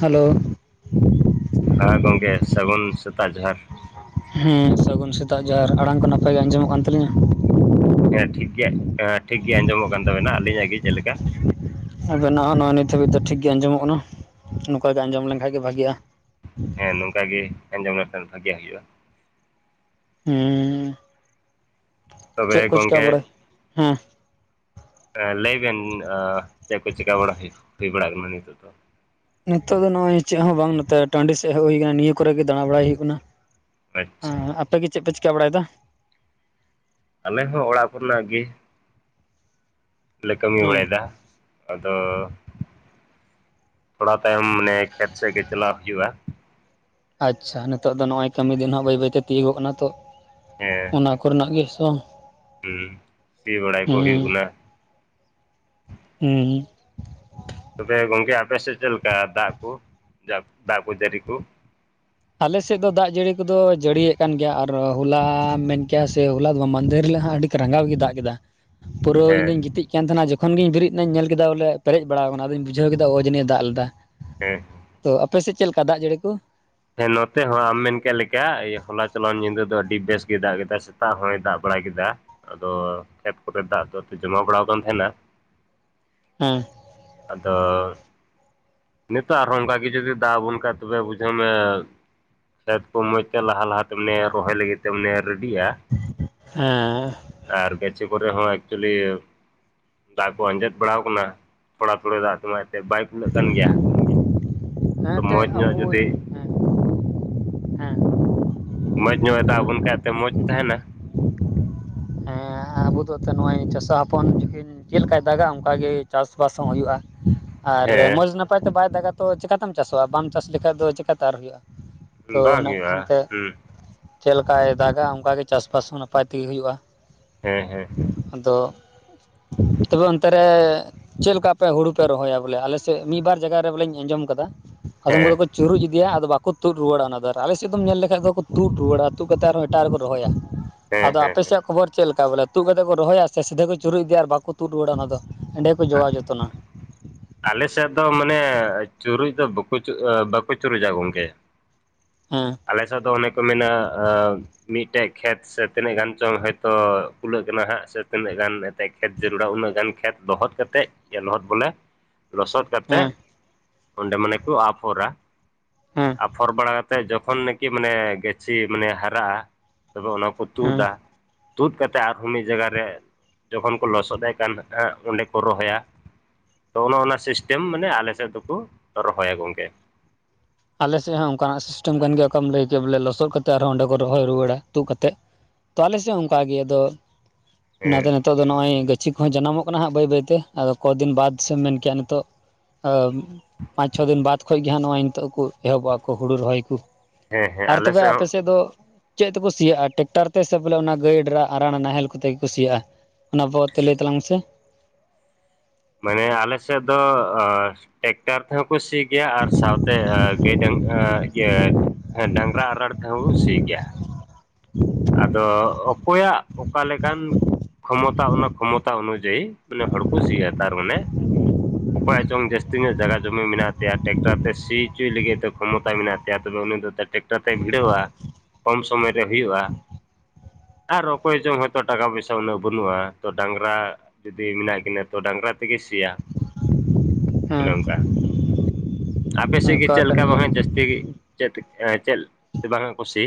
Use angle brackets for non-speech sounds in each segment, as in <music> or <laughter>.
Hello ᱦᱮᱸ ᱜᱚᱢᱠᱮ ᱥᱟᱹᱜᱩᱱ ᱥᱮᱛᱟᱜ ᱡᱚᱦᱟᱨ ᱦᱩ ᱥᱟᱹᱜᱩᱱ ᱥᱮᱛᱟᱜ ᱡᱟᱦᱮᱟᱨ ᱟᱲᱟᱝ ᱠᱚ ᱱᱟᱯᱟᱭ ᱜᱮ ᱟᱸᱡᱚᱢᱚᱜ ᱠᱟᱱ ᱛᱟᱹᱞᱤᱧᱟ ᱦᱮᱸ ᱴᱷᱤᱠ ᱜᱮ ᱦᱮᱸ ᱴᱷᱤᱠ ᱜᱮ ᱟᱸᱡᱚᱢᱚᱜ ᱠᱟᱱ ᱛᱟᱵᱮᱱᱟ ᱟᱹᱞᱤᱧᱟᱜ ᱜᱮ ᱪᱮᱫ ᱞᱮᱠᱟ ᱟᱵᱮᱱᱟᱜᱜ ᱱᱚᱣᱟ ᱱᱤᱛᱜ ᱫᱚ ᱴᱷᱤᱠ ᱜᱮᱮ ᱟᱸᱡᱚᱢᱚᱜ ᱠᱟᱱᱟ ᱱᱚᱝᱠᱟ ᱜᱮ ᱟᱸᱡᱚᱢ ᱞᱮᱱᱠᱷᱟᱱᱡ ᱜᱮ ᱵᱷᱟᱹᱜᱤᱼᱭᱟ ᱦᱮᱸ ᱱᱚᱝᱠᱟ ᱜᱮ ᱟᱸᱡᱚᱢ ᱞᱮᱱᱠᱷᱟᱱ ᱵᱷᱟᱜᱮ ᱦᱩᱭᱩᱜᱼᱟ ᱦᱩ ᱛᱚᱵᱮ ᱠᱚ ᱪᱤᱠᱟ ᱜᱚᱢᱠᱮ ᱵᱟᱲᱟᱭ ᱦᱮᱸ ᱞᱟᱹᱭ ᱵᱮᱱ ᱪᱮᱫ ᱠᱚ ᱪᱤᱠᱟ ᱵᱟᱲᱟ ᱦᱩᱭᱩᱜ ᱦᱩᱭᱩᱜ ᱵᱟᱲᱟ ᱠᱟᱱᱟ ᱱᱤᱛᱚᱜ ᱫᱚ ᱱᱤᱛᱚᱜ ᱫᱚ ᱱᱚᱜᱼᱚᱭ ᱪᱮᱫ ᱦᱚᱸ ᱵᱟᱝ ᱱᱚᱛᱮ ᱴᱟᱺᱰᱤ ᱥᱮᱫ ᱦᱮ ᱦᱩᱭ ᱠᱟᱱᱟ ᱱᱤᱭᱟᱹ ᱠᱚᱨᱮᱜ ᱜᱮ ᱫᱟᱬᱟ ᱵᱟᱲᱟᱭ ᱦᱩᱭᱩᱜ ᱠᱟᱱᱟ ᱟᱪᱪᱷᱟ ᱟᱯᱮᱹᱜᱮ ᱪᱮᱫ ᱯᱮ ᱪᱤᱠᱟᱹ ᱵᱟᱲᱟᱭ ᱫᱟ ᱟᱞᱮ ᱦᱚᱸ ᱚᱲᱟᱜ ᱠᱚᱨᱮᱱᱟᱜ ᱜᱮ ᱞᱮ ᱠᱟᱹᱢᱤ ᱦᱮᱸ ᱵᱟᱲᱟᱭᱫᱟ ᱟᱫᱚ ᱛᱷᱚᱲᱟ ᱛᱟᱭᱚᱢ ᱢᱟᱱᱮ ᱠᱷᱮᱛ ᱥᱮᱫ ᱜᱮ ᱪᱟᱞᱟᱣ ᱦᱩᱭᱩᱜᱼᱟ ᱟᱪᱪᱷᱟ ᱱᱤᱛᱚᱜ ᱫᱚ ᱱᱚᱜ ᱚᱚᱭ ᱠᱟᱹᱢᱤ ᱫᱤᱱ ᱦᱚ ᱵᱟᱹᱭ ᱵᱟᱹᱭᱛᱮ ᱛᱤᱭᱳᱜᱚᱜ ᱠᱟᱱᱟ ᱛᱚ ᱚᱱᱟ ᱠᱚᱨᱮᱱᱟᱜ ᱜᱮ <unintelligible> ᱦᱩ ᱥᱤ ᱵᱟᱲᱟᱭ ᱠᱚ ᱦᱩᱸ ᱦᱩᱭᱩᱜᱚ ᱠᱟᱱᱟ ᱦᱩᱸ ᱛᱚᱵᱮ ᱜᱚᱝᱠᱮ ᱟᱯᱮ ᱥᱮᱫ ᱪᱮᱫ ᱞᱮᱠᱟ ᱫᱟᱜ ᱠᱚ ᱫᱟᱜ ᱫᱟᱜ ᱠᱚ ᱡᱟᱨᱤ ᱠᱚ ᱟᱞᱮᱥᱮᱫ ᱫᱚ ᱫᱟᱜ ᱡᱟᱹᱲᱤ ᱠᱚᱫᱚ ᱡᱟᱹᱲᱤᱭᱮᱫ ᱠᱟᱱ ᱜᱮᱭᱟ ᱟᱨ ᱦᱚᱞᱟ ᱢᱮᱱ ᱠᱮᱭᱟ ᱥᱮ ᱦᱚᱞᱟ ᱫᱚ ᱵᱟᱝ ᱢᱟᱫᱷᱮᱨ ᱦᱤᱞᱚᱜ ᱦᱟᱜ ᱟᱹᱰᱤ ᱨᱟᱸᱜᱟᱣ ᱜᱮ ᱫᱟᱜ ᱠᱮᱫᱟ ᱯᱩᱨᱟᱹ ᱤᱧ ᱦᱮᱸ ᱫᱩᱧ ᱜᱤᱛᱤᱡ ᱞᱮᱱ ᱛᱟᱦᱮᱱᱟ ᱡᱚᱠᱷᱚᱱ ᱜᱤᱧ ᱵᱮᱨᱮᱫ ᱮᱱᱟᱹᱧ ᱧᱮᱞ ᱠᱮᱫᱟ ᱵᱚᱞᱮ ᱯᱮᱨᱮᱡ ᱵᱟᱲᱟᱣ ᱟᱠᱟᱱᱟ ᱟᱫᱚᱧ ᱵᱩᱡᱷᱟᱹᱣ ᱠᱮᱫᱟ ᱚ ᱡᱟᱱᱤ ᱫᱟᱜ ᱞᱮᱫᱟ᱾ ᱦᱮᱸ, ᱛᱚ ᱟᱯᱮ ᱥᱮᱫ ᱪᱮᱫ ᱞᱮᱠᱟ ᱫᱟᱜ ᱡᱟᱹᱲᱤ ᱠᱚ? ᱦᱮᱸ ᱱᱚᱛᱮ ᱦᱚᱸ ᱟᱢ ᱢᱮᱱ ᱠᱮᱫ ᱞᱮᱠᱟ ᱦᱚᱞᱟ ᱪᱟᱞᱟᱣᱮᱱ ᱧᱤᱫᱟᱹ ᱫᱚ ᱟᱹᱰᱤ ᱵᱮᱥ ᱜᱮ ᱫᱟᱜ ᱠᱮᱫᱟ ᱥᱮᱛᱟᱜ ᱦᱚᱸᱭ ᱫᱟᱜ ᱵᱟᱲᱟ ᱠᱮᱫᱟ᱾ ᱟᱫᱚ ᱠᱷᱮᱛ ᱠᱚᱨᱮ ᱫᱟᱜ ᱫᱚ ᱛᱮ ᱡᱚᱢᱟ ᱵᱟᱲᱟᱣ ᱠᱟᱱ ᱛᱟᱦᱮᱱᱟ᱾ ᱦᱮ, ᱟᱫᱚ, ᱱᱮᱛᱟᱨ ᱦᱚᱸ ᱚᱱᱠᱟᱜ ᱜᱮ ᱡᱩᱫᱤ ᱫᱟᱜ ᱟᱵᱚᱱ ᱠᱷᱟᱱ ᱛᱚᱵᱮ ᱵᱩᱡᱷᱟᱹᱣ ᱢᱮ ᱠᱷᱮᱛ ᱠᱚ ᱢᱚᱡᱽ ᱛᱮ ᱞᱟᱦᱟ ᱞᱟᱦᱟᱛᱮᱢᱮ ᱨᱚᱦᱚᱭ ᱞᱟᱹᱜᱤᱫ ᱛᱮᱢᱚ ᱱᱮ ᱨᱮᱰᱤᱜᱼᱟᱼᱼ ᱦᱮᱸ, ᱟᱨ ᱜᱟᱹᱪᱷᱤ ᱠᱚᱨᱮ ᱦᱚᱸ ᱮᱠᱪᱩᱭᱮᱞᱤ ᱫᱟᱜ ᱠᱚ ᱟᱸᱡᱮᱫ ᱵᱟᱲᱟᱣ ᱠᱟᱱᱟ᱾ ᱛᱷᱚᱲᱟ ᱛᱷᱚᱲᱟ ᱫᱟᱜ ᱛᱮᱢᱟ ᱮᱱᱛᱮ ᱵᱟᱭ ᱠᱩᱞᱟᱹᱜ ᱠᱟᱱ ᱜᱮᱭᱟ᱾ ᱛᱚ ᱚᱱᱟᱛᱮ ᱢᱚᱸᱡᱽ ᱧᱚᱜ ᱟᱵᱚ ᱦᱮᱸ ᱡᱩᱫᱤ ᱦᱮᱸ᱾ ᱢᱚᱡᱽ ᱧᱚᱜ ᱮ ᱫᱟᱜ ᱟᱵᱚᱱ ᱠᱷᱟᱡ ᱛᱮ ᱢᱚᱡᱽ ᱛᱟᱦᱮᱱᱟ᱾ ᱦᱮᱸ ᱟᱵᱚ ᱫᱚ ᱱᱚᱜ-ᱚᱭ ᱪᱟᱥᱟ ᱦᱚᱯᱚᱱ ᱪᱮᱫ ᱞᱮᱠᱟᱭ ᱫᱟᱜᱟ ᱚᱱᱠᱟᱜᱮ ᱪᱟᱥᱵᱟᱥ ᱦᱚᱸ ᱦᱩᱭᱩᱜᱼᱟ᱾ ᱟᱨ ᱢᱚᱡᱽ ᱦᱮᱸ ᱱᱟᱯᱟᱭ ᱛᱮ ᱵᱟᱭ ᱫᱟᱜᱟ ᱛᱚ ᱪᱮᱠᱟᱛᱮᱢ ᱪᱟᱥᱚᱜ-ᱟ ᱵᱟᱢ ᱪᱟᱥ ᱞᱮᱠᱷᱟᱡ ᱫᱚ ᱪᱮᱠᱟᱛᱮ ᱟᱨ ᱦᱩᱭᱩᱜ-ᱟ᱾ ᱛᱚ ᱵᱟᱝ ᱤᱱᱟᱹ ᱦᱩᱭᱩᱜᱼᱟ ᱠᱷᱟᱱᱛᱮ ᱦᱩᱸ ᱪᱮᱫᱞᱮᱠᱟᱭ ᱫᱟᱜᱟ ᱚᱱᱠᱟᱜᱮ ᱪᱟᱥᱵᱟᱥ ᱦᱚᱸ ᱱᱟᱯᱟᱭ ᱛᱮᱜᱮ ᱦᱩᱭᱩᱜ-ᱟ᱾ ᱦᱮᱸ ᱦᱮᱸ᱾ ᱟᱫᱚ ᱛᱚᱵᱮ ᱚᱱᱛᱮ ᱨᱮ ᱪᱮᱫ ᱞᱮᱠᱟ ᱟᱯᱮ ᱦᱩᱲᱩ ᱯᱮ ᱨᱚᱦᱚᱭᱟ ᱵᱚᱞᱮ ᱟᱞᱮᱥᱮᱫ ᱢᱤᱫ ᱵᱟᱨ ᱡᱟᱭᱜᱟ ᱨᱮ ᱵᱚᱞᱮᱧ ᱟᱸᱡᱚᱢ ᱟᱠᱟᱫᱟ ᱟᱫᱚᱢ ᱦᱮᱸ ᱠᱚᱫᱚ ᱦᱮᱸ ᱪᱩᱨᱩᱡ ᱤᱫᱤᱭᱟ ᱟᱫᱚ ᱵᱟᱠᱚ ᱛᱩᱫ ᱨᱩᱣᱟᱹᱲᱟ ᱚᱱᱟᱫᱚ ᱟᱨ ᱟᱞᱮ ᱥᱮᱫ ᱫᱚᱢ ᱧᱮᱞ ᱞᱮᱠᱷᱟᱡ ᱫᱚᱠᱚ ᱛᱩᱫ ᱨᱩᱣᱟᱹᱲᱟ ᱛᱩᱫ ᱠᱟᱛᱮᱫ ᱟᱨᱦᱚᱸ ᱮᱴᱟᱜ ᱨᱮᱠᱚ ᱨᱚᱦᱚᱭᱟ᱾ ᱦᱮᱸ ᱟᱫᱚ ᱦᱮᱸ ᱟᱯᱮᱥᱮᱭᱟᱜ ᱠᱷᱚᱵᱚᱨᱼᱼ ᱛᱟ ᱵᱚᱞᱮ ᱛᱩᱫ ᱠᱟᱛᱮᱫ ᱠᱚ ᱨᱚᱦᱚᱭᱟ ᱥᱮ ᱥᱤᱫᱷᱟᱹ ᱠᱚ ᱪᱩᱨᱩᱡ ᱤᱫᱤᱭᱟ ᱟᱨ ᱵᱟᱠᱚ ᱛᱩᱫ ᱨᱩᱣᱟᱹᱲᱟ ᱚᱱᱟ ᱫᱚ ᱮᱸᱰᱮ ᱜᱮ ᱠᱚ ᱡᱚᱜᱟᱣ ᱡᱚᱛᱚᱱᱟ᱾ ᱟᱞᱮ ᱥᱮᱫ ᱫᱚ ᱢᱟᱱᱮ ᱪᱩᱨᱩᱡ ᱫᱚ ᱵᱟᱠᱚ ᱵᱟᱠᱚ ᱪᱩᱨᱩᱡᱟ ᱜᱚᱢᱠᱮ᱾ ᱦᱩᱸ᱾ ᱟᱞᱮᱥᱮᱫ ᱫᱚ ᱚᱱᱮ ᱠᱚ ᱢᱮᱱᱟ ᱟᱻ᱾ ᱢᱤᱫᱴᱮᱡ ᱠᱷᱮᱛ ᱥᱮ ᱛᱤᱱᱟᱹᱜ ᱜᱟᱱ ᱪᱚᱝ ᱦᱚᱭᱛᱳ ᱠᱩᱞᱟᱹᱜ ᱠᱟᱱᱟ ᱦᱟᱜ ᱥᱮ ᱛᱤᱱᱟᱹᱜ ᱜᱟᱱ ᱠᱷᱮᱛ ᱡᱟᱹᱨᱩᱲᱟ ᱩᱱᱟᱹᱜ ᱜᱟᱱ ᱠᱷᱮᱛ ᱫᱚᱦᱚᱫ ᱠᱟᱛᱮᱡ ᱞᱚᱦᱚᱫ ᱵᱚᱞᱮ ᱞᱚᱥᱚᱫ ᱠᱟᱛᱮ ᱦᱮᱸ ᱚᱸᱰᱮ ᱢᱟᱱᱮ ᱠᱚ ᱟᱯᱷᱚᱨᱟ᱾ ᱦᱮᱸ ᱟᱯᱷᱚᱨ ᱵᱟᱲᱟ ᱠᱟᱛᱮ ᱡᱚᱠᱷᱚᱱ ᱠᱤ ᱢᱟᱱᱮ ᱜᱟᱹᱪᱷᱤ ᱢᱟᱱᱮ ᱦᱟᱨᱟᱜᱼᱟ ᱛᱚᱵᱮ ᱚᱱᱟ ᱠᱚᱼᱼ ᱦᱮᱸ ᱛᱩᱫᱟ ᱾ ᱛᱩᱫ ᱠᱟᱛᱮ ᱟᱨᱦᱚᱸ ᱢᱤᱫ ᱡᱟᱸᱜᱟ ᱨᱮ ᱡᱚᱠᱷᱚᱱ ᱠᱚ ᱞᱚᱥᱚᱫ ᱮ ᱠᱟᱱ ᱚᱸᱰᱮ ᱠᱚ ᱨᱚᱦᱚᱭᱟ, ᱛᱚ ᱚᱱᱮ ᱚᱱᱟ ᱥᱤᱥᱴᱮᱢ ᱢᱟᱱᱮ ᱟᱞᱮ ᱥᱮᱫ ᱫᱚᱠᱚ ᱨᱚᱦᱚᱭᱟ ᱜᱚᱝᱠᱮ᱾ ᱟᱞᱮᱥᱮᱫ ᱦᱟᱸᱜ ᱚᱱᱠᱟᱱᱟᱜ ᱥᱤᱥᱴᱮᱢ ᱠᱟᱱ ᱜᱮᱭᱟ ᱚᱠᱟᱢ ᱞᱟᱹᱭ ᱠᱮᱭᱟ ᱵᱚᱞᱮ ᱞᱚᱥᱚᱫ ᱠᱟᱛᱮᱫ ᱟᱨᱦᱚ ᱚᱸᱰᱮ ᱠᱚ ᱨᱚᱦᱚᱭ ᱨᱩᱣᱟᱹᱲᱟ, ᱛᱩᱫ ᱠᱟᱛᱮᱫ᱾ ᱛᱚ ᱟᱞᱮ ᱥᱮᱫ ᱦᱚᱸ ᱚᱱᱠᱟ ᱜᱮ ᱟᱫᱚ ᱦᱮᱸ ᱚᱱᱟᱛᱮ ᱛᱳᱜ ᱫᱚ ᱱᱚᱜ-ᱚᱭ ᱜᱟᱹᱪᱷᱤ ᱠᱚᱦᱚᱸ ᱡᱟᱱᱟᱢᱚᱜ ᱠᱟᱱᱟ ᱦᱟᱸᱜ ᱵᱟᱹᱭ ᱵᱟᱹᱭᱛᱮ ᱟᱫᱚ ᱠᱚᱫᱤᱱ ᱵᱟᱫ ᱥᱮᱢ ᱢᱮᱱ ᱠᱮᱜ-ᱟ ᱱᱤᱛᱚᱜ ᱟᱹ ᱯᱟᱸᱪ ᱪᱷᱚ ᱫᱤᱱ ᱵᱟᱫᱽ ᱠᱷᱚᱡ ᱜᱮ ᱦᱟᱸᱜ ᱱᱚᱜᱚᱭ ᱱᱤᱛᱚᱜ ᱮᱦᱚᱵᱚᱜ-ᱟ ᱠᱚ ᱦᱩᱲᱩ ᱨᱚᱦᱚᱭ ᱠᱩ᱾ ᱦᱮᱸ ᱦᱮᱸ ᱟᱨ ᱟᱞᱮ ᱛᱚᱵᱮ ᱟᱯᱮ ᱦᱚᱸ ᱥᱮᱫ ᱫᱚ ᱪᱮᱫ ᱛᱮᱠᱚ ᱥᱤᱭᱟᱜ-ᱟ ᱴᱮᱠᱴᱟᱨ ᱛᱮ ᱥᱮ ᱵᱚᱞᱮ ᱚᱱᱟ ᱜᱟᱹᱭ ᱰᱮᱨᱟ ᱟᱨᱟᱲ ᱱᱟᱦᱮᱞ ᱠᱚᱛᱮ ᱜᱮ ᱥᱤᱭᱟᱜ-ᱟ? ᱚᱱᱟ ᱵᱚ ᱛᱮ ᱞᱟᱹᱭ ᱛᱟᱞᱟᱝ ᱢᱮᱥᱮ? ᱢᱟᱱᱮ ᱟᱞᱮ ᱥᱮᱫ ᱫᱚ ᱴᱮᱠᱴᱟᱨ ᱛᱮᱦᱚᱸ ᱠᱚ ᱥᱤ ᱜᱮᱭᱟ ᱟᱨ ᱥᱟᱶᱛᱮ ᱜᱟᱹᱭ ᱰᱟᱝ ᱤᱭᱟᱹ ᱦᱮᱸ ᱰᱟᱝᱨᱟ ᱟᱨᱟᱲ ᱛᱮᱦᱚᱠᱚ ᱥᱤ ᱜᱮᱭᱟ᱾ <inaudible> ᱟᱫᱚ ᱚᱠᱚᱭᱟᱜ ᱚᱠᱟ ᱞᱮᱠᱟᱱ ᱠᱷᱚᱢᱚᱛᱟ ᱚᱱᱟ ᱠᱷᱚᱢᱚᱛᱟ ᱚᱱᱩᱡᱟᱭᱤ ᱢᱟᱱᱮ ᱦᱚᱲ ᱠᱚ ᱥᱤᱭᱟ ᱛᱟᱨ ᱢᱟᱱᱮ ᱚᱠᱚᱭᱟᱜ ᱪᱚᱝ ᱡᱟᱹᱥᱛᱤ ᱧᱚᱜ ᱡᱟᱜᱟ ᱡᱩᱢᱤ ᱢᱮᱱᱟᱜ ᱛᱟᱭᱟ ᱴᱮᱠᱴᱟᱨ ᱛᱮ ᱥᱤ ᱦᱚᱪᱩᱭ ᱞᱟᱹᱜᱤᱫ ᱛᱮ ᱠᱷᱚᱢᱚᱛᱟ ᱢᱮᱱᱟᱜ ᱛᱟᱭᱟ ᱛᱚᱵᱮ ᱩᱱᱤ ᱫᱚ ᱴᱟᱛᱮ ᱵᱷᱤᱲᱟᱹᱣᱟ ᱠᱚᱢ ᱥᱚᱢᱚᱭ ᱨᱮ ᱦᱩᱭᱩᱜ-ᱟ ᱟᱨ ᱚᱠᱚᱭ ᱪᱚᱝ ᱦᱚᱭᱛᱳ ᱴᱟᱠᱟ ᱯᱚᱭᱥᱟ ᱩᱱᱟᱹᱜ ᱵᱟᱹᱱᱩᱜ-ᱟ ᱛᱚ ᱰᱟᱝᱨᱟ ᱡᱩᱫᱤ ᱢᱮᱱᱟᱜ ᱠᱤᱱᱟᱹ ᱛᱚ ᱰᱟᱝᱨᱟ ᱛᱮᱜᱮ ᱥᱤᱭᱟ ᱦᱮᱸ ᱚᱱᱮ ᱚᱱᱠᱟ ᱟᱯᱮ ᱥᱮᱫ ᱜᱮ ᱚᱱᱠᱟ ᱪᱮᱫ ᱠᱟᱱ ᱞᱮᱠᱟ ᱜᱮᱭᱟ ᱵᱟᱝᱟ ᱡᱟᱹᱥᱛᱤ ᱛᱮᱜᱮ ᱪᱮᱫ ᱪᱮᱫ ᱵᱟᱝ ᱮ ᱠᱩᱥᱤ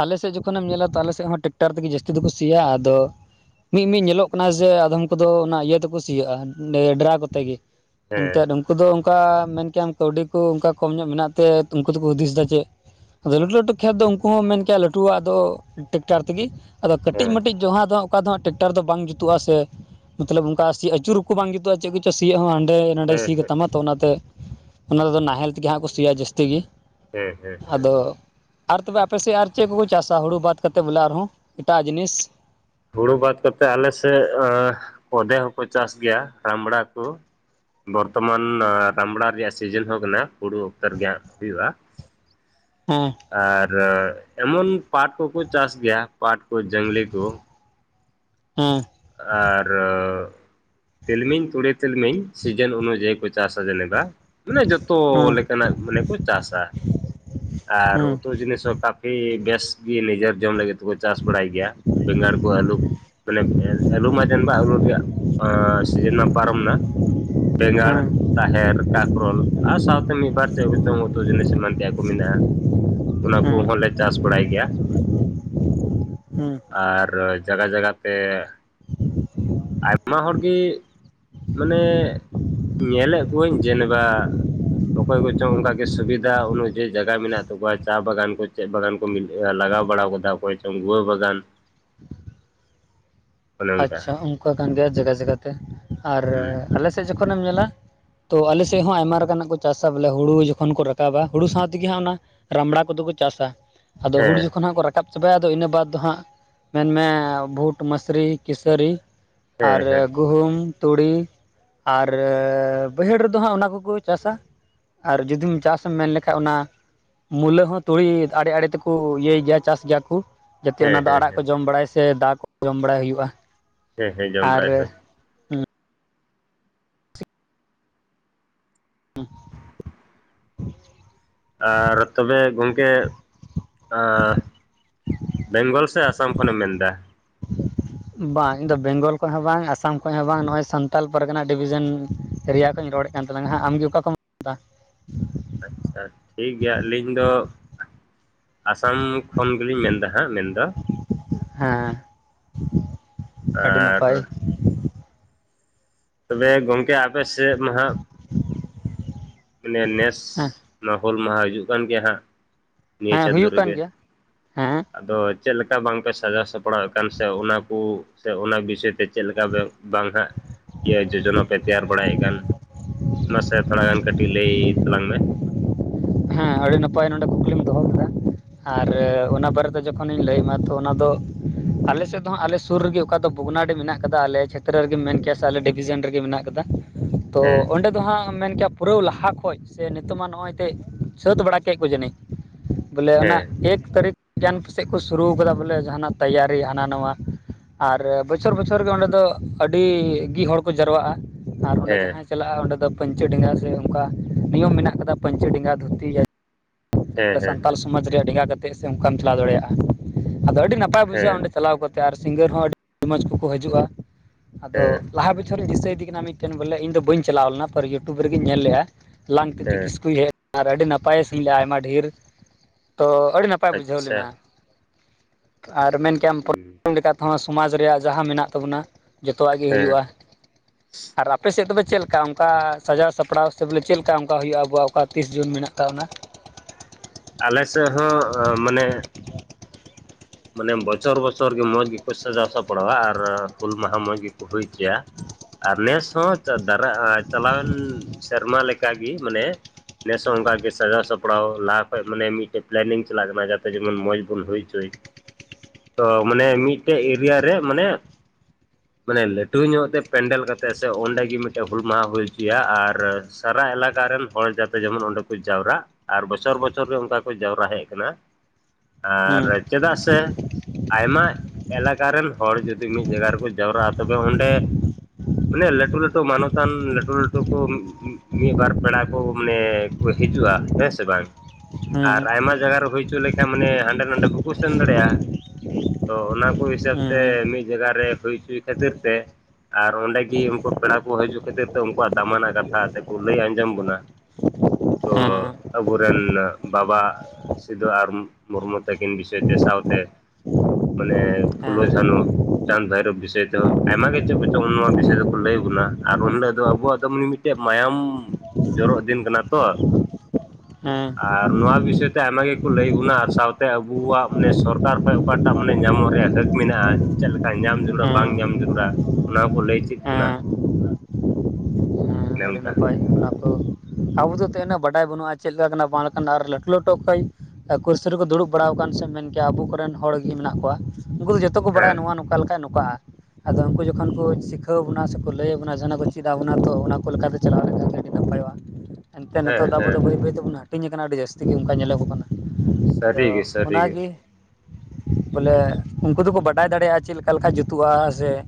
ᱟᱞᱮ ᱥᱮᱫ ᱡᱚᱠᱷᱚᱱᱮᱢ ᱧᱮᱞᱟ ᱟᱞᱮ ᱥᱮᱫ ᱦᱚᱸ ᱴᱨᱟᱠᱴᱟᱨ ᱛᱮᱜᱮ ᱡᱟᱹᱥᱛᱤ ᱫᱚᱠᱚ ᱥᱤᱭᱟ ᱟᱫᱚ ᱢᱤᱫ ᱢᱤᱫ ᱧᱮᱞᱚᱜ ᱠᱟᱱᱟ ᱡᱮ ᱟᱫᱚᱢ ᱠᱚᱫᱚ ᱚᱱᱟ ᱤᱭᱟᱹ ᱛᱮᱠᱚ ᱥᱤᱭᱳᱜ-ᱟ ᱰᱮᱨᱟ ᱠᱚᱛᱮ ᱜᱮ ᱦᱮᱸ ᱮᱱᱛᱮᱫ ᱩᱱᱠᱩ ᱫᱚ ᱚᱱᱠᱟ ᱢᱮᱱ ᱠᱮᱭᱟᱢ ᱠᱟᱹᱣᱰᱤ ᱠᱚ ᱚᱱᱠᱟ ᱠᱚᱢ ᱧᱚᱜ ᱢᱮᱱᱟᱜ ᱛᱮ ᱩᱱᱠᱩ ᱫᱚᱠᱚ ᱦᱩᱫᱤᱥ ᱮᱫᱟ ᱪᱮᱫ ᱟᱫᱚ ᱞᱟᱹᱴᱩ ᱞᱟᱹᱴᱩ ᱠᱷᱮᱛ ᱫᱚ ᱩᱱᱠᱩ ᱦᱚᱸ ᱢᱮᱱ ᱠᱮᱭᱟ ᱞᱟᱹᱴᱩᱣᱟᱜ ᱫᱚ ᱴᱮᱠᱴᱟᱨ ᱛᱮᱜᱮ ᱟᱫᱚ ᱠᱟᱹᱴᱤᱡ ᱦᱮᱸ ᱢᱟᱹᱴᱤᱡ ᱡᱟᱦᱟᱸ ᱫᱚ ᱦᱟᱸᱜ ᱚᱱᱠᱟ ᱫᱚ ᱦᱟᱸᱜ ᱴᱮᱠᱴᱟᱨ ᱫᱚ ᱵᱟᱝ ᱡᱩᱛᱩᱜ-ᱟ ᱥᱮ ᱢᱚᱛᱞᱚᱵ ᱚᱱᱠᱟ ᱟᱹᱪᱩᱨᱠᱚ ᱵᱟᱝ ᱡᱩᱛᱩᱜ-ᱟ ᱪᱮᱫ ᱠᱚᱪᱚ ᱥᱤᱭᱚᱜ ᱦᱚᱸ ᱦᱟᱸᱰᱮ ᱱᱚᱰᱮ ᱦᱮᱸ ᱥᱤ ᱦᱮᱸ ᱠᱟᱛᱟᱢᱟ ᱛᱚ ᱚᱱᱟᱛᱮ ᱚᱱᱟᱫᱚ ᱱᱟᱦᱮᱞ ᱛᱮᱜᱮ ᱦᱟᱜ ᱠᱚ ᱥᱤᱭᱟ ᱡᱟᱹᱥᱛᱤ ᱜᱮ ᱦᱮᱸ ᱦᱮᱸ ᱦᱮᱸ ᱟᱫᱚ ᱟᱨ ᱛᱚᱵᱮ ᱟᱯᱮᱥᱮᱫ ᱟᱨ ᱪᱮᱫ ᱠᱚᱠᱚ ᱪᱟᱥᱟ ᱦᱩᱲᱩ ᱵᱟᱫ ᱠᱟᱛᱮᱫ ᱵᱚᱞᱮ ᱟᱨᱦᱚᱸ ᱮᱴᱟᱜ ᱡᱤᱱᱤᱥ ᱦᱩᱲᱩ ᱵᱟᱫ ᱠᱟᱛᱮᱜ ᱟᱞᱮᱥᱮᱫ ᱚᱫᱮ ᱦᱚᱸᱠᱚ ᱪᱟᱥ ᱜᱮᱭᱟ ᱨᱟᱢᱲᱟ ᱠᱚ ᱵᱚᱨᱛᱚᱢᱟᱱ ᱨᱟᱢᱲᱟ ᱨᱮᱭᱟᱜ ᱥᱤᱡᱤᱱ ᱦᱚᱸ ᱠᱟᱱᱟ ᱦᱩᱲᱩ ᱚᱠᱛᱚ ᱨᱮ ᱜᱮ ᱦᱟᱸ ᱦᱩᱭᱩᱜ-ᱟ ᱦᱳᱸ <unintelligible> ᱟᱨ ᱮᱢᱚᱱ ᱯᱟᱴ ᱠᱚᱠᱚ ᱪᱟᱥ ᱜᱮᱭᱟ ᱯᱟᱴ ᱠᱚ ᱡᱚᱝᱞᱤ ᱠᱚ ᱦᱩᱸ ᱟᱨᱻᱳ ᱛᱤᱞᱢᱤᱧ ᱛᱩᱲᱮ ᱛᱤᱞᱢᱤᱧ ᱥᱤᱡᱮᱱ ᱚᱱᱩᱡᱟᱭᱤ ᱠᱚ ᱪᱟᱥᱟ ᱡᱮᱞᱮᱠᱟ ᱢᱟᱱᱮ ᱡᱚᱛᱚ ᱦᱮᱸ ᱞᱮᱠᱟᱱᱟᱜ ᱢᱟᱱᱮ ᱠᱚ ᱪᱟᱥᱟ ᱟᱨ ᱦᱮᱸ ᱩᱛᱩ ᱡᱤᱱᱤᱥ ᱦᱚᱸᱠᱟ ᱵᱮᱥ ᱜᱮ ᱱᱤᱡᱮᱨ ᱡᱚᱢ ᱞᱟᱹᱜᱤᱫ ᱛᱮᱠᱚ ᱪᱟᱥ ᱵᱟᱲᱟᱭ ᱜᱮᱭᱟ ᱵᱮᱸᱜᱟᱲ ᱠᱚ ᱟᱹᱞᱩ ᱢᱟᱱᱮ ᱟᱹᱞᱩ ᱢᱟ ᱡᱮᱱᱵᱟ ᱟᱹᱞᱩ ᱨᱮᱭᱟᱜ ᱥᱤᱡᱤᱱ ᱢᱟ ᱯᱟᱨᱚᱢ ᱮᱱᱟ ᱵᱮᱸᱜᱟᱲ ᱦᱮᱸ ᱛᱟᱦᱮᱨ ᱠᱟᱠᱨᱚᱞ ᱟᱨ ᱥᱟᱶᱛᱮ ᱢᱤᱫ ᱵᱟᱨ ᱪᱮ ᱡᱚᱛ ᱩᱛᱩ ᱡᱤᱱᱤᱥ ᱮᱢᱟᱱ ᱛᱮᱭᱟᱜ ᱠᱚ ᱢᱮᱱᱟᱜ-ᱟ ᱚᱱᱟ ᱦᱮᱸ ᱠᱚᱦᱚᱸᱞᱮ ᱪᱟᱥ ᱵᱟᱲᱟᱭ ᱜᱮᱭᱟ ᱦᱩᱸ ᱟᱨ ᱡᱟᱜᱟ ᱡᱟᱜᱟᱛᱮ ᱟᱭᱢᱟ ᱦᱚᱲ ᱜᱮ ᱢᱟᱱᱮ ᱧᱮᱞᱮᱫ ᱠᱚᱣᱟᱹᱧ ᱡᱮᱱᱮᱵᱟ ᱚᱠᱚᱭ ᱠᱚᱪᱚᱝ ᱚᱱᱠᱟᱜᱮ ᱥᱩᱵᱤᱫᱷᱟ ᱚᱱᱩᱡᱟᱭᱤ ᱡᱟᱭᱜᱟ ᱢᱮᱱᱟᱜ ᱛᱟᱠᱚᱣᱟ ᱪᱟ ᱵᱟᱜᱟᱱ ᱠᱚ ᱪᱮᱫ ᱵᱟᱜᱟᱱ ᱠᱚ ᱞᱟᱜᱟᱣ ᱵᱟᱲᱟ ᱟᱠᱟᱫᱟ ᱚᱠᱚᱭ ᱪᱚᱝ ᱜᱩᱣᱟᱹ ᱵᱟᱜᱟᱱ ᱚᱱᱮ ᱚᱱᱠᱟ ᱟᱪᱪᱷᱟ ᱚᱱᱠᱟ ᱠᱟᱱ ᱜᱮᱭᱟ ᱡᱟᱭᱜᱟ ᱡᱟᱭᱜᱟᱛᱮ ᱟᱨ ᱦᱩᱸ ᱟᱞᱮᱥᱮᱫ ᱡᱚᱠᱷᱚᱱᱮᱢ ᱧᱮᱞᱟ ᱛᱚ ᱟᱞᱮ ᱥᱮᱫ ᱦᱚᱸ ᱟᱭᱢᱟ ᱞᱮᱠᱟᱱᱟᱜ ᱠᱚ ᱪᱟᱥᱟ ᱵᱚᱞᱮ ᱦᱩᱲᱩ ᱡᱚᱠᱷᱚᱱ ᱠᱚ ᱨᱟᱠᱟᱵᱟ ᱦᱩᱲᱩ ᱥᱟᱶ ᱛᱮᱜᱮ ᱦᱟᱸᱜ ᱚᱱᱟ ᱨᱟᱢᱲᱟ ᱠᱚᱫᱚ ᱠᱚ ᱪᱟᱥᱟ ᱟᱫᱚ ᱦᱩᱲᱩ ᱦᱮᱸ ᱡᱚᱠᱷᱚᱱ ᱦᱟᱸᱜ ᱠᱚ ᱨᱟᱠᱟᱵ ᱪᱟᱵᱟᱭᱟ ᱟᱫᱚ ᱤᱱᱟᱹ ᱵᱟᱫᱽ ᱫᱚ ᱦᱟᱸᱜ ᱢᱮᱱᱢᱮ ᱵᱷᱩᱴ ᱢᱩᱥᱨᱤ ᱠᱮᱥᱟᱹᱨᱤ ᱦᱮᱸ ᱟᱨ ᱦᱮᱸ ᱜᱩᱦᱩᱢ ᱛᱩᱲᱤ ᱟᱨ ᱵᱟᱹᱭᱦᱟᱹᱲ ᱨᱮᱫᱚ ᱦᱟᱸᱜ ᱚᱱᱟ ᱠᱚᱠᱚ ᱪᱟᱥᱟ ᱟᱨ ᱡᱩᱫᱤᱢ ᱪᱟᱥᱮᱢ ᱢᱮᱱ ᱞᱮᱠᱷᱟᱡ ᱚᱱᱟ ᱢᱩᱞᱟᱹ ᱦᱚᱸ ᱛᱩᱲᱤ ᱟᱲᱮ ᱟᱲᱮ ᱛᱮᱠᱚ ᱤᱭᱟᱹᱭ ᱜᱮᱭᱟ ᱪᱟᱥ ᱜᱮᱭᱟ ᱠᱚ ᱡᱟᱛᱮ ᱦᱮᱸ ᱚᱱᱟ ᱫᱚ ᱦᱮᱸ ᱟᱲᱟᱜ ᱠᱚ ᱦᱮᱸ ᱡᱚᱢ ᱵᱟᱲᱟᱭ ᱥᱮ ᱫᱟ ᱠᱚ ᱡᱚᱢ ᱵᱟᱲᱟᱭ ᱦᱩᱭᱩᱜ-ᱟ ᱦᱮᱸ ᱦᱮᱸ ᱡᱚᱢ ᱵᱟᱲᱟᱭ ᱯᱮ <unintelligible> ᱟᱨ ᱛᱚᱵᱮ ᱜᱚᱢᱠᱮ ᱟᱨ ᱵᱮᱝᱜᱚᱞ ᱥᱮ ᱟᱥᱟᱢ ᱠᱷᱚᱱᱮᱢ ᱢᱮᱱ ᱮᱫᱟ ᱵᱟᱝ ᱤᱧ ᱫᱚ ᱵᱮᱝᱜᱚᱞ ᱠᱷᱚᱡ ᱦᱚᱸ ᱵᱟᱝ ᱟᱥᱟᱢ ᱠᱷᱚᱡ ᱦᱚᱸ ᱵᱟᱝ ᱱᱚᱜ-ᱚᱭ ᱥᱟᱱᱛᱟᱲ ᱯᱚᱨᱜᱟᱱᱟ ᱰᱤᱵᱷᱤᱡᱮᱱ ᱥᱮᱨᱤᱭᱟ ᱠᱷᱟᱧ ᱨᱚᱲᱮᱫ ᱠᱟᱱ ᱛᱟᱞᱟᱝ ᱦᱟᱸᱜ ᱟᱢᱜᱮ ᱚᱠᱟ ᱠᱚᱢ ᱢᱮᱱᱫᱟ ᱟᱪᱪᱷᱟ ᱴᱷᱤᱠᱜᱮᱭᱟ ᱟᱹᱞᱤᱧ ᱫᱚ ᱟᱥᱟᱢ ᱠᱷᱚᱱ ᱜᱮᱞᱤᱧ ᱢᱮᱱ ᱮᱫᱟ ᱦᱟᱸᱜ ᱢᱮᱱᱫᱚ ᱦᱮᱸ ᱟᱹᱰᱤ ᱟᱨ ᱱᱟᱯᱟᱭ ᱛᱚᱵᱮ ᱜᱚᱢᱠᱮ ᱟᱯᱮ ᱥᱮ ᱢᱟᱦᱟᱜ ᱢᱟᱱᱮ ᱱᱮᱥ ᱦᱮᱸ ᱚᱱᱟ ᱦᱩᱞ ᱢᱟᱦᱟ ᱦᱤᱡᱩᱜ ᱠᱟᱱ ᱜᱮᱭᱟ ᱦᱟᱸᱜ ᱱᱤᱭᱟᱹ ᱦᱮᱸ ᱪᱟᱸᱫᱚ ᱦᱩᱭᱩᱜ ᱠᱟᱱ ᱨᱮᱜᱮ ᱜᱮᱭᱟ ᱦᱮᱸ ᱟᱫᱚ ᱪᱮᱫ ᱞᱮᱠᱟ ᱵᱟᱝᱯᱮ ᱥᱟᱡᱟᱣ ᱥᱟᱯᱲᱟᱣᱮᱫ ᱠᱟᱱ ᱥᱮ ᱚᱱᱟ ᱠᱚ ᱥᱮ ᱚᱱᱟ ᱵᱤᱥᱚᱭ ᱛᱮ ᱪᱮᱫ ᱞᱮᱠᱟ ᱵᱟᱝ ᱦᱟᱸᱜ ᱤᱭᱟᱹ ᱡᱳᱡᱚᱱᱟ ᱯᱮ ᱛᱮᱭᱟᱨ ᱵᱟᱲᱟᱭᱮᱫ ᱠᱟᱱ ᱚᱱᱟ ᱥᱮ ᱛᱷᱚᱲᱟ ᱜᱟᱱ ᱠᱟᱹᱴᱤᱡ ᱞᱟᱹᱭ ᱛᱟᱞᱟᱝ ᱢᱮ ᱦᱮᱸ ᱟᱹᱰᱤ ᱱᱟᱯᱟᱭ ᱱᱚᱸᱰᱮ ᱠᱩᱠᱞᱤᱢ ᱫᱚᱦᱚ ᱠᱮᱫᱟ ᱟᱨ ᱚᱱᱟ ᱵᱟᱨᱮᱛᱮ ᱡᱚᱠᱷᱚᱱᱤᱧ ᱞᱟᱹᱭᱢᱟ ᱛᱚ ᱚᱱᱟᱫᱚ ᱟᱞᱮᱥᱮᱫ ᱫᱚ ᱟᱞᱮ ᱥᱩᱨ ᱨᱮᱜᱮ ᱚᱠᱟ ᱫᱚ ᱵᱚᱜᱽᱱᱟᱰᱤ ᱢᱮᱱᱟᱜ ᱟᱠᱟᱫᱟ ᱟᱞᱮ ᱪᱷᱮᱛᱨᱚ ᱨᱮᱜᱮ ᱢᱮᱱ ᱠᱮᱭᱟ ᱥᱮ ᱟᱞᱮ ᱰᱤᱵᱷᱤᱡᱚᱱ ᱨᱮᱜᱮ ᱢᱮᱱᱟᱜ ᱟᱠᱟᱫᱟ ᱛᱚ ᱦᱮᱸ ᱚᱸᱰᱮ ᱫᱚ ᱦᱟᱸᱜ ᱢᱮᱱ ᱠᱮᱭᱟ ᱯᱩᱨᱟᱹᱣ ᱞᱟᱦᱟ ᱠᱷᱚᱡ ᱥᱮ ᱱᱤᱛᱚᱜ ᱢᱟ ᱱᱚᱜᱼᱚᱭ ᱮᱱᱛᱮ ᱥᱟᱹᱛ ᱵᱟᱲᱟ ᱠᱮᱫ ᱠᱚ ᱡᱟᱹᱱᱤᱡ ᱵᱚᱞᱮ ᱚᱱᱟ ᱦᱮᱸ ᱮᱠ ᱛᱟᱹᱨᱤᱠᱷ ᱟᱹᱵᱤᱜᱟᱱ ᱠᱚ ᱥᱩᱨᱩᱣ ᱠᱟᱫᱟ ᱵᱚᱞᱮ ᱡᱟᱦᱟᱱᱟᱜ ᱛᱮᱭᱟᱨᱤ ᱦᱟᱱᱟ ᱱᱚᱣᱟ ᱟᱨ ᱵᱚᱪᱷᱚᱨ ᱵᱚᱪᱷᱚᱨ ᱜᱮ ᱚᱸᱰᱮ ᱫᱚ ᱟᱹᱰᱤ ᱜᱮ ᱦᱚᱲ ᱠᱚ ᱡᱟᱨᱣᱟᱜᱼᱟ ᱟᱨ ᱚᱸᱰᱮ ᱦᱮᱸ ᱡᱟᱦᱟᱸᱭ ᱪᱟᱞᱟᱜᱼᱟ ᱚᱸᱰᱮ ᱫᱚ ᱯᱟᱹᱧᱪᱤ ᱰᱮᱸᱜᱟ ᱥᱮ ᱚᱱᱠᱟ ᱱᱤᱭᱚᱢ ᱢᱮᱱᱟᱜ ᱟᱠᱟᱫᱟ ᱯᱟᱹᱧᱪᱤ ᱰᱮᱸᱜᱟ ᱫᱷᱩᱛᱤ ᱭᱟ ᱦᱮᱸ ᱦᱮᱸ ᱥᱟᱱᱛᱟᱞ ᱥᱚᱢᱟᱡᱽ ᱨᱮᱭᱟᱜ ᱰᱮᱸᱜᱟ ᱠᱟᱱᱟ ᱥᱮ ᱚᱱᱠᱟᱢ ᱪᱟᱞᱟᱣ ᱫᱟᱲᱮᱭᱟᱜᱼᱟ ᱟᱫᱚ ᱟᱹᱰᱤ ᱱᱟᱯᱟᱭ ᱵᱩᱡᱷᱟᱹᱜᱼᱟ ᱦᱮᱸ ᱚᱸᱰᱮ ᱪᱟᱞᱟᱣ ᱠᱟᱛᱮ ᱟᱨ ᱥᱤᱝᱜᱟᱨ ᱦᱚᱸ ᱟᱹᱰᱤ ᱢᱚᱡᱽ ᱠᱚᱠᱚ ᱦᱤᱡᱩᱜ-ᱟ ᱟᱫᱚ ᱦᱮᱸ ᱞᱟᱦᱟ ᱵᱚᱪᱷᱚᱨ ᱫᱤᱥᱟᱹᱭᱮᱫ ᱠᱮᱠᱤᱱᱟ ᱢᱤᱫᱴᱮᱱ ᱵᱚᱞᱮ ᱤᱧᱫᱚ ᱵᱟᱹᱧ ᱪᱟᱞᱟᱣ ᱞᱮᱱᱟ ᱯᱟᱹᱨ ᱜᱮᱛᱩ ᱨᱮᱜᱮ ᱧᱮᱞ ᱞᱮᱫ-ᱟ ᱞᱟᱝᱛᱤᱛᱤ ᱦᱮᱸ ᱠᱤᱥᱠᱩᱭ ᱦᱮᱡ ᱞᱮᱱᱟ ᱟᱨ ᱟᱹᱰᱤ ᱱᱟᱯᱟᱭ ᱥᱮᱨᱮᱧ ᱞᱮᱫ-ᱟ ᱟᱭᱢᱟ ᱰᱷᱮᱨ ᱛᱚ ᱟᱹᱰᱤ ᱱᱟᱯᱟᱭ ᱱᱟᱯᱟᱭ ᱵᱩᱡᱷᱟᱹᱣ ᱟᱪᱪᱷᱟ ᱞᱮᱱᱟ ᱟᱨ ᱢᱮᱱ ᱠᱮᱭᱟᱢ ᱦᱩᱸ ᱯᱨᱚᱛᱷᱚᱢ <unintelligible> ᱦᱚᱸ ᱥᱚᱢᱟᱡᱽ ᱨᱮᱭᱟᱜ ᱡᱟᱦᱟᱸ ᱢᱮᱱᱟᱜ ᱛᱟᱵᱚᱱᱟ ᱡᱚᱛᱚᱣᱟᱜ ᱜᱮ ᱦᱮᱸ ᱦᱩᱭᱩᱜ-ᱟ <inaudible> ᱟᱨ ᱟᱯᱮ ᱥᱮᱫ ᱫᱚᱵᱮ ᱪᱮᱫ ᱞᱮᱠᱟ ᱚᱱᱠᱟ ᱥᱟᱡᱟᱣ ᱥᱟᱯᱲᱟᱣ ᱥᱮ ᱵᱚᱞᱮ ᱪᱮᱫ ᱞᱮᱠᱟ ᱚᱱᱠᱟ ᱦᱩᱭᱩᱜ-ᱟ ᱟᱵᱚᱣᱟᱜ ᱚᱠᱟ ᱛᱤᱥ ᱡᱩᱱ ᱢᱮᱱᱟᱜ ᱛᱟᱵᱚᱱᱟ ᱚᱱᱟ ᱟᱞᱮ ᱥᱮᱫ ᱦᱚᱸ ᱢᱟᱱᱮ <inaudible> ᱢᱟᱱᱮ ᱵᱚᱪᱷᱚᱨ ᱵᱚᱪᱷᱚᱨ ᱜᱮ ᱢᱚᱸᱡᱽ ᱜᱮᱠᱚ ᱥᱟᱡᱟᱣ ᱥᱟᱯᱲᱟᱣᱟ ᱟᱨ ᱦᱩᱞ ᱢᱟᱦᱟᱸ ᱢᱚᱸᱡᱽ ᱜᱮᱠᱚ ᱦᱩᱭ ᱚᱪᱚᱭᱟ᱾ ᱟᱨ ᱱᱮᱥ ᱦᱚᱸ ᱫᱟᱨᱟᱭ ᱪᱟᱞᱟᱣᱮᱱ ᱥᱮᱨᱢᱟ ᱞᱮᱠᱟᱟᱜᱮ ᱢᱟᱱᱮ ᱱᱮᱥ ᱦᱚᱸ ᱚᱱᱠᱟ ᱜᱮ ᱥᱟᱡᱟᱣ ᱥᱟᱯᱲᱟᱣ ᱞᱟᱦᱟ ᱠᱷᱚᱡ ᱢᱟᱱᱮ ᱢᱤᱫᱴᱮᱡ ᱯᱞᱮᱱᱤᱝ ᱪᱟᱞᱟᱜ ᱠᱟᱱᱟ ᱡᱟᱛᱮ ᱡᱮᱢᱚᱱ ᱢᱚᱸᱡᱽ ᱵᱚᱱ ᱦᱩᱭ ᱚᱪᱚᱭ ᱛᱚ ᱢᱟᱱᱮ ᱢᱤᱫᱴᱮᱡ ᱮᱨᱤᱭᱟ ᱨᱮ ᱢᱟᱱᱮ <inaudible> ᱢᱟᱱᱮ ᱞᱟᱹᱴᱩ ᱧᱚᱜ ᱛᱮ ᱯᱮᱱᱰᱮᱞ ᱠᱟᱛᱮ ᱥᱮ ᱚᱸᱰᱮ ᱜᱮ ᱢᱤᱫᱴᱮᱡ ᱦᱩᱞ ᱢᱟᱦᱟᱸ ᱦᱩᱭ ᱦᱚᱪᱚᱭᱟ ᱟᱨ ᱥᱟᱨᱟ ᱮᱞᱟᱠᱟ ᱨᱮᱱ ᱦᱚᱲ ᱡᱟᱛᱮ ᱡᱮᱢᱚᱱ ᱚᱸᱰᱮ ᱠᱚ ᱡᱟᱣᱨᱟᱜ ᱟᱨ ᱵᱚᱪᱷᱚᱨ ᱵᱚᱪᱷᱚᱨ ᱨᱮ ᱚᱱᱠᱟ ᱠᱚ ᱡᱟᱣᱨᱟ ᱦᱮᱡ ᱟᱠᱟᱱᱟ <inaudible> ᱟᱨ ᱪᱮᱫᱟᱜ ᱥᱮ ᱟᱭᱢᱟ ᱮᱞᱟᱠᱟ ᱨᱮᱱ ᱦᱚᱲ ᱡᱩᱫᱤ ᱢᱤᱫ ᱡᱟᱭᱜᱟ ᱨᱮᱠᱚ ᱡᱟᱣᱨᱟᱜ-ᱟ ᱛᱚᱵᱮ ᱚᱸᱰᱮ ᱢᱟᱱᱮ ᱞᱟᱹᱴᱩ ᱞᱟᱹᱴᱩ ᱢᱟᱱᱚᱛᱟᱱ ᱞᱟᱹᱴᱩ ᱞᱟᱹᱴᱩ ᱠᱚ ᱢᱤᱫᱵᱟᱨ ᱯᱮᱲᱟ ᱠᱚ ᱢᱟᱱᱮ ᱠᱚ ᱦᱤᱡᱩᱜ-ᱟ ᱦᱮᱸᱥᱮ ᱵᱟᱝ ᱦᱩᱸ ᱟᱨ ᱟᱭᱢᱟ ᱡᱟᱭᱜᱟ ᱨᱮ ᱦᱩᱭ ᱚᱪᱚ ᱞᱮᱠᱷᱟᱱ ᱢᱟᱱᱮ ᱦᱟᱸᱰᱮ ᱱᱷᱟᱰᱮ ᱵᱟᱠᱚ ᱥᱮᱱ ᱫᱟᱲᱮᱭᱟᱜ-ᱟ ᱛᱚ ᱚᱱᱟ ᱠᱚ ᱦᱤᱥᱟᱹᱵᱽ ᱛᱮ ᱢᱤᱫ ᱡᱟᱭᱜᱟ ᱨᱮ ᱦᱩᱭ ᱚᱪᱚᱭ ᱠᱷᱟᱹᱛᱤᱨ ᱛᱮ ᱟᱨ ᱚᱸᱰᱮ ᱜᱮ ᱩᱱᱠᱩ ᱯᱮᱲᱟ ᱠᱚ ᱦᱤᱡᱩᱜ ᱠᱷᱟᱹᱛᱤᱨ ᱛᱮ ᱩᱱᱠᱩᱣᱟᱜ ᱫᱟᱢᱟᱱᱟᱜ ᱠᱟᱛᱷᱟ ᱮᱛᱮᱜ ᱠᱚ ᱞᱟᱹᱭ ᱟᱸᱡᱚᱢ ᱟᱵᱚᱱᱟ <inaudible> ᱛᱚ ᱦᱩᱸ ᱦᱮᱸ ᱟᱵᱚᱨᱮᱱ ᱵᱟᱵᱟ ᱥᱤᱸᱫᱩ ᱟᱨ ᱢᱩᱨᱢᱩ ᱛᱟᱹᱠᱤᱱ ᱵᱤᱥᱚᱭ ᱥᱟᱶᱛᱮ ᱢᱟᱱᱮ ᱯᱷᱩᱞᱚ ᱦᱮᱸ ᱡᱷᱟᱱᱚ ᱪᱟᱸᱫᱽ ᱵᱷᱟᱭᱨᱚᱵᱽ ᱵᱤᱥᱚᱭ ᱛᱮ ᱦᱚᱸ ᱟᱭᱢᱟ ᱜᱮ ᱪᱮᱫ ᱠᱚᱪᱚᱝ ᱱᱚᱣᱟ ᱵᱤᱥᱚᱭ ᱛᱮᱠᱚ ᱞᱟᱹᱭ ᱟᱵᱚᱱᱟ ᱟᱨ ᱩᱱ ᱦᱤᱞᱚᱜ ᱫᱚ ᱟᱵᱚᱣᱟᱜ ᱫᱚ ᱪᱮᱜ ᱢᱟᱭᱟᱢ ᱡᱚᱨᱚᱜ ᱫᱤᱱ ᱠᱟᱱᱟ ᱛᱚ ᱦᱮᱸ ᱟᱨ ᱱᱚᱣᱟ ᱵᱤᱥᱚᱭ ᱛᱮ ᱟᱭᱢᱟ ᱜᱮᱠᱚ ᱞᱟᱹᱭ ᱟᱵᱚᱱᱟ ᱟᱨ ᱥᱟᱶᱛᱮ ᱟᱵᱚᱣᱟᱜ ᱢᱟᱱᱮ ᱥᱚᱨᱠᱟᱨ ᱠᱷᱚᱡ ᱚᱠᱟᱴᱟᱜ ᱢᱟᱱᱮ ᱧᱟᱢᱚᱜ ᱨᱮᱭᱟᱜ ᱦᱟᱹᱠ ᱢᱮᱱᱟᱜ-ᱟ ᱪᱮᱫ ᱞᱮᱠᱟ ᱧᱟᱢ ᱡᱟᱹᱨᱩᱲᱟ ᱦᱮᱸ ᱵᱟᱝ ᱧᱟᱢ ᱡᱟᱹᱨᱩᱲᱟ ᱚᱱᱟ ᱦᱚᱸᱠᱚ ᱞᱟᱹᱭ ᱪᱮᱫ ᱟᱵᱚᱱᱟ <inaudible> ᱦᱮᱸ ᱚᱱᱮ ᱟᱹᱰᱤ ᱚᱝᱠᱟ ᱱᱟᱯᱟᱭ ᱚᱱᱟ ᱠᱚ ᱟᱵᱚ ᱫᱚ ᱛᱮᱦᱮᱱ ᱮᱱᱟᱹᱜ ᱵᱟᱰᱟᱭ ᱵᱟᱹᱱᱩᱜ-ᱟ ᱪᱮᱫ ᱞᱮᱠᱟᱱᱟᱜ ᱵᱟᱝ ᱞᱮᱠᱟ ᱟᱨ ᱞᱟᱹᱴᱩ ᱞᱟᱹᱴᱚᱜ ᱚᱠᱚᱭ ᱟ ᱠᱩᱨᱥᱤ ᱨᱮᱠᱚ ᱫᱩᱲᱩᱵ ᱵᱟᱲᱟ ᱟᱠᱟᱱ ᱥᱮ ᱢᱮᱱ ᱠᱮᱭᱟ ᱟᱵᱚ ᱠᱚᱨᱮᱱ ᱦᱚᱲ ᱜᱮ ᱢᱮᱱᱟᱜ ᱠᱚᱣᱟ ᱩᱱᱠᱩ ᱡᱚ ᱡᱚᱛᱚ ᱠᱚ ᱵᱟᱲᱟᱭᱟ ᱦᱮᱸ ᱱᱚᱣᱟ ᱱᱚᱝᱠᱟ ᱞᱮᱠᱷᱟᱱ ᱱᱚᱝᱠᱟᱜ-ᱟ ᱟᱫᱚ ᱩᱱᱠᱩ ᱡᱚᱠᱷᱚᱱ ᱠᱚ ᱥᱤᱠᱷᱟᱹᱣ ᱵᱚᱱᱟ ᱥᱮ ᱠᱚ ᱞᱟᱹᱭ ᱟᱵᱚᱱᱟ ᱾ ᱡᱟᱦᱟᱸ ᱠᱚ ᱪᱤᱫ ᱟᱵᱚᱱᱟ ᱛᱚ ᱚᱱᱟ ᱠᱚ ᱞᱮᱠᱟᱛᱮ ᱪᱟᱞᱟᱣ ᱞᱮᱱᱠᱷᱟᱱ ᱜᱮ ᱟᱹᱰᱤ ᱱᱟᱯᱟᱭᱚᱜ-ᱟ᱾ ᱮᱱᱛᱮ ᱦᱮᱸ ᱱᱤᱛᱚᱜ ᱫᱚ ᱟᱵᱚ ᱦᱮᱸ ᱫᱚ ᱵᱟᱹᱭ ᱦᱮᱸ ᱵᱟᱹᱭ ᱛᱮᱵᱚᱱ ᱦᱟᱹᱴᱤᱧ ᱟᱠᱟᱱᱟ ᱟᱹᱰᱤ ᱡᱟᱹᱥᱛᱤ ᱜᱮ, ᱚᱱᱠᱟ ᱧᱮᱞᱚᱜ ᱠᱟᱱᱟ᱾ ᱛᱚ ᱥᱟᱹᱨᱤᱜᱮ ᱚᱱᱟ ᱥᱟᱹᱨᱤᱜᱮ ᱜᱮ᱾ ᱵᱚᱞᱮ ᱩᱱᱠᱩ ᱫᱚᱠᱚ ᱵᱟᱰᱟᱭ ᱫᱟᱲᱮᱭᱟᱜ-ᱟ ᱪᱮᱫᱠᱟ ᱞᱮᱠᱟ ᱡᱩᱛᱩᱜ-ᱟ᱾ ᱥᱮ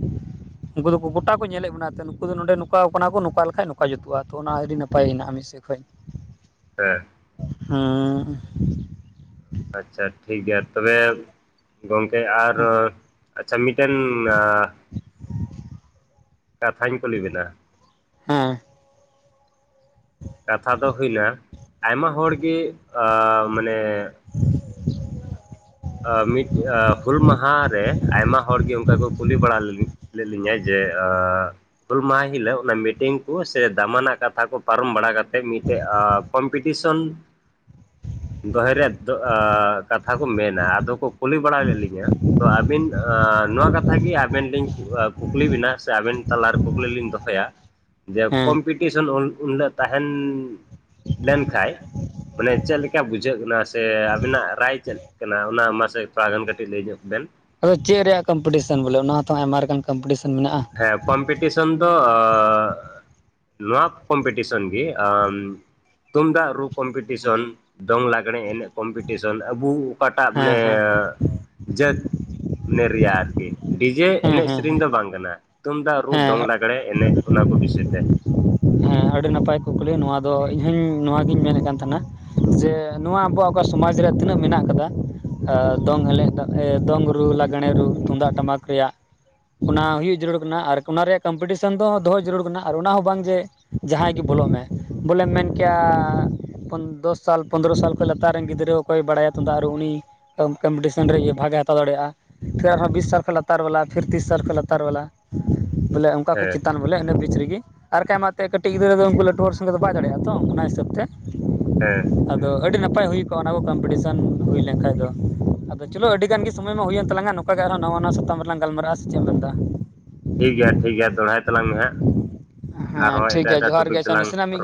ᱩᱱᱠᱩ ᱫᱚ ᱜᱚᱴᱟ ᱠᱚ ᱧᱮᱞ ᱮᱫ ᱵᱚᱱᱟ ᱱᱩᱠᱩ ᱫᱚ ᱱᱚᱰᱮ ᱱᱚᱝᱠᱟ ᱠᱟᱱᱟ ᱠᱚ ᱱᱚᱝᱠᱟ ᱞᱮᱠᱟᱡ ᱱᱚᱝᱠᱟ ᱡᱩᱛᱩᱜ-ᱟ᱾ ᱛᱚ ᱚᱱᱟ ᱟᱹᱰᱤ ᱱᱟᱯᱟᱭ ᱦᱮᱱᱟᱜ-ᱟ ᱢᱤᱫ ᱡᱮᱠᱷᱚᱡ ᱦᱮᱸ ᱦᱩᱸ ᱟᱪᱪᱷᱟ ᱴᱷᱤᱠ ᱜᱮᱭᱟ ᱛᱚᱵᱮ ᱜᱚᱝᱠᱮ ᱟᱨ ᱟᱪᱪᱷᱟ ᱢᱤᱫᱴᱮᱱ ᱟᱻ ᱠᱟᱛᱷᱟᱹᱧ ᱠᱩᱞᱤ ᱵᱤᱱᱟ ᱦᱮᱸ ᱠᱟᱛᱷᱟ ᱫᱚ ᱦᱩᱭᱱᱟ ᱟᱭᱢᱟ ᱦᱚᱲ ᱜᱮ ᱟᱻ ᱢᱟᱱᱮ ᱢᱤᱫ ᱦᱩᱞ ᱢᱟᱦᱟ ᱨᱮ ᱟᱭᱢᱟ ᱦᱚᱲ ᱜᱮ ᱚᱱᱠᱟ ᱠᱚ ᱠᱩᱞᱤ ᱵᱟᱲᱟ ᱞᱤᱧ ᱞᱟᱹᱭ ᱞᱤᱧᱟᱭ <inaudible> ᱡᱮ ᱦᱩᱞ ᱢᱟᱦᱟ ᱦᱤᱞᱳᱜ᱾ ᱚᱱᱮ ᱢᱤᱴᱤᱝ ᱠᱩ ᱥᱮ ᱫᱟᱢᱟᱱᱟᱜ ᱠᱟᱛᱷᱟ ᱠᱚ ᱯᱟᱨᱚᱢ ᱵᱟᱲᱟ ᱠᱟᱛᱮ ᱢᱤᱫᱴᱮᱡ ᱠᱚᱢᱯᱤᱴᱤᱥᱚᱱ <inaudible> ᱫᱚᱦᱮ ᱨᱮᱭᱟᱜ ᱠᱟᱛᱷᱟ ᱠᱚ ᱢᱮᱱᱟ᱾ ᱟᱫᱚ ᱠᱚ ᱠᱩᱞᱤ ᱵᱟᱲᱟ ᱞᱮᱫ ᱞᱤᱧᱼᱟ ᱛᱚ ᱟᱹᱵᱤᱱ ᱱᱚᱣᱟ ᱠᱟᱛᱷᱟ ᱜᱮ ᱟᱵᱮᱱ ᱞᱤᱧ ᱠᱩᱠᱞᱤ ᱵᱮᱱᱟ ᱥᱮ ᱟᱵᱮᱱ ᱛᱟᱞᱟᱨᱮ ᱠᱩᱠᱞᱤ ᱞᱤᱧ ᱫᱚᱦᱚᱭᱟ ᱡᱮ, ᱦᱮᱸ ᱠᱚᱢᱯᱤᱴᱤᱥᱮᱱ ᱩᱱ ᱦᱤᱞᱳᱜ ᱛᱟᱦᱮᱱ ᱞᱮᱱᱠᱷᱟᱡ ᱢᱟᱱᱮ ᱪᱮᱫ ᱞᱮᱠᱟ ᱵᱩᱡᱷᱟᱹᱜ ᱠᱟᱱᱟ᱾ ᱥᱮ ᱟᱵᱤᱱᱟᱜ ᱨᱟᱭ ᱪᱮᱫ? ᱠᱟᱱᱟ᱾ ᱚᱱᱟ ᱢᱟᱥᱮ ᱛᱷᱚᱲᱟ ᱜᱟᱱ ᱠᱟᱹᱴᱤᱡ ᱞᱟᱹᱭ ᱧᱚᱜ ᱵᱮᱱ᱾ ᱟᱫᱚ ᱪᱮᱫ ᱨᱮᱭᱟᱜ ᱠᱚᱢᱯᱤᱴᱤᱥᱮᱱ ᱵᱚᱞᱮ᱾ ᱚᱱᱟ ᱦᱚᱸ ᱛᱚ ᱟᱭᱢᱟ ᱞᱮᱠᱟᱱ ᱠᱚᱢᱯᱤᱴᱤᱥᱮᱱ ᱢᱮᱱᱟᱜᱼᱟ᱾ ᱦᱮᱸ ᱠᱚᱢᱯᱤᱴᱤᱥᱚᱱ ᱫᱚᱻ ᱱᱚᱣᱟ ᱠᱚᱢᱯᱤᱴᱤᱥᱚᱱ ᱜᱮ᱾ ᱟᱸ ᱛᱩᱢᱫᱟᱜ ᱨᱩ ᱠᱚᱢᱯᱤᱴᱤᱥᱚᱱ᱾ ᱫᱚᱝ, ᱞᱟᱜᱽᱲᱮ ᱮᱱᱮᱡᱽ ᱠᱚᱢᱯᱤᱴᱤᱥᱚᱱ ᱟᱵᱩ ᱚᱠᱟ ᱴᱟᱜ ᱢᱟᱱᱮ ᱦᱮᱸ ᱦᱮᱸ ᱡᱟᱹᱛ ᱢᱟᱱᱮ ᱨᱮᱭᱟᱜ ᱟᱨ ᱠᱤ᱾ ᱰᱤᱡᱮ ᱦᱮᱸ ᱮᱱᱮᱡᱽ ᱦᱮᱸ ᱥᱮᱨᱮᱧ ᱫᱚ ᱵᱟᱝ ᱠᱟᱱᱟ᱾ ᱛᱩᱢᱫᱟᱜ ᱨᱩ ᱦᱮᱸ ᱫᱚᱝ ᱦᱮᱸ ᱞᱟᱜᱽᱲᱮ ᱮᱱᱮᱜ ᱚᱱᱟ ᱠᱚ ᱵᱤᱥᱚᱭ ᱛᱮ᱾ ᱦᱮᱸ ᱟᱹᱰᱤ ᱱᱟᱯᱟᱭ ᱠᱩᱠᱞᱤ ᱱᱚᱣᱟ ᱫᱚ ᱤᱧᱦᱚᱧ ᱱᱚᱣᱟᱜᱤᱧ ᱢᱮᱱᱮᱫ ᱠᱟᱱ ᱛᱟᱦᱮᱱᱟ᱾ ᱡᱮ ᱱᱚᱣᱟ ᱟᱵᱚᱣᱟᱜ ᱚᱠᱟ ᱥᱚᱢᱟᱡᱽ ᱨᱮ ᱛᱤᱱᱟᱹᱜ ᱢᱮᱱᱟᱜ ᱠᱟᱫᱟ᱾ ᱫᱚᱝ ᱦᱮᱞᱮᱡ, ᱫᱚᱝ ᱨᱩ, ᱞᱟᱜᱽᱬᱮ ᱨᱩ ᱛᱩᱢᱫᱟᱜ ᱴᱟᱢᱟᱠ ᱨᱮᱭᱟᱜ ᱚᱱᱟ ᱦᱩᱭᱩᱜ ᱡᱟᱹᱨᱩᱲ ᱠᱟᱱᱟ ᱟᱨ ᱚᱱᱟ ᱨᱮᱭᱟᱜ ᱠᱚᱢᱯᱤᱴᱤᱥᱮᱱ ᱫᱚ, ᱫᱚᱦᱚ ᱡᱟᱹᱨᱩᱲ ᱠᱟᱱᱟ ᱾ ᱟᱨ ᱚᱱᱟ ᱦᱚᱸ ᱵᱟᱝ ᱡᱮ ᱡᱟᱦᱟᱸᱭ ᱜᱮ ᱵᱚᱞᱚᱜ ᱢᱮ, ᱵᱚᱞᱮᱢ ᱢᱮᱱ ᱠᱮᱭᱟ ᱫᱚᱥ ᱥᱟᱞ, ᱯᱚᱱᱨᱚ ᱥᱟᱞ ᱠᱷᱚᱡ ᱞᱟᱛᱟᱨ ᱨᱮᱱ ᱜᱤᱫᱽᱨᱟᱹ ᱚᱠᱚᱭ ᱵᱟᱲᱟᱭᱟ ᱛᱩᱢᱫᱟᱜ ᱨᱩ ᱩᱱᱤ ᱛᱚ ᱠᱚᱢᱯᱤᱴᱤᱥᱮᱱ ᱨᱮ ᱤᱭᱟᱹ ᱵᱷᱟᱜ ᱮ ᱦᱟᱛᱟᱣ ᱫᱟᱲᱮᱭᱟᱜᱼᱟ᱾ ᱯᱷᱤᱨ ᱟᱨᱦᱚᱸ ᱵᱤᱥ ᱥᱟᱞ ᱠᱷᱚᱡ ᱞᱟᱛᱟᱨ ᱵᱟᱞᱟ᱾ ᱯᱷᱤᱨ ᱛᱤᱨᱤᱥ ᱥᱟᱞ ᱠᱷᱚᱡ ᱞᱟᱛᱟᱨ ᱵᱟᱞᱟ᱾ ᱵᱚᱞᱮ ᱩᱸᱜ ᱚᱠᱟ ᱠᱚ ᱦᱮᱸ ᱪᱮᱛᱟᱱ ᱵᱚᱞᱮ ᱤᱱᱟᱹ ᱵᱤᱪ <inaudible> ᱨᱮᱜᱮ ᱟᱨ ᱟᱭᱢᱟ <inaudible> ᱮᱱᱮᱫ <inaudible> ᱠᱟᱹᱴᱤᱡ ᱜᱤᱫᱽᱨᱟᱹ ᱫᱚ ᱩᱱᱠᱩ ᱞᱟᱹᱴᱩ ᱦᱚᱲ ᱥᱚᱸᱜᱮ ᱫᱚ ᱵᱟᱭ ᱫᱟᱲᱮᱭᱟᱜᱼᱟ ᱛᱚ᱾ ᱚᱱᱟ ᱦᱤᱥᱟᱹᱵᱽ ᱛᱮ᱾ ᱦᱮᱸ ᱟᱫᱚ ᱟᱹᱰᱤ ᱱᱟᱯᱟᱭ ᱦᱩᱭ ᱠᱚᱜᱼᱟ ᱚᱱᱟ ᱠᱚ ᱠᱚᱢᱯᱤᱴᱤᱥᱮᱱ ᱦᱩᱭ ᱞᱮᱱᱠᱷᱟᱡ ᱫᱚ᱾ ᱟᱫᱚ ᱪᱚᱞᱚ ᱟᱹᱰᱤᱜᱟᱱ ᱜᱮ ᱥᱚᱢᱚᱭ ᱢᱟ ᱦᱩᱭᱮᱱ ᱛᱟᱞᱟᱝ ᱟ ᱱᱚ ᱚᱱᱠᱟ ᱜᱮ ᱟᱨᱦᱚᱸ ᱱᱟᱣᱟ ᱱᱟᱜ ᱥᱟᱛᱟᱢ ᱨᱮᱞᱟᱝ ᱜᱟᱞᱢᱟᱨᱟᱜᱼᱟ ᱥᱮ ᱪᱮᱫ ᱮᱢ ᱢᱮᱱ ᱮᱫᱟ? ᱴᱷᱤᱠ ᱜᱮᱭᱟ, ᱴᱷᱤᱠ ᱜᱮᱭᱟ ᱫᱚᱦᱲᱟᱭ ᱛᱟᱞᱟᱝ ᱢᱮ ᱦᱟᱸᱜ ᱦᱮᱸ ᱟᱨᱦᱚᱸ ᱴᱷᱤᱠ ᱮᱴᱟᱜ ᱜᱮᱭᱟ ᱮᱴᱟᱜ ᱡᱚᱦᱟᱨ ᱜᱮ ᱴᱚᱯᱤᱠ ᱟᱪᱪᱷᱟ ᱛᱮᱞᱟᱝ ᱨᱚᱯ ᱱᱟᱥᱮᱱᱟᱜ ᱢᱤᱫ